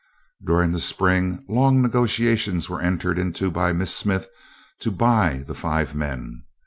During the Spring long negotiations were entered into by Miss Smith to "buy" the five men.